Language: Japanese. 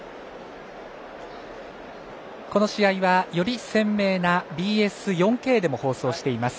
この試合はより鮮明なＢＳ４Ｋでも放送しています。